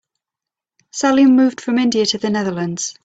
Salim moved from India to the Netherlands.